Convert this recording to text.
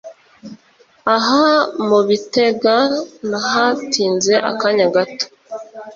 Aha mu Bitega nahatinze akanya gato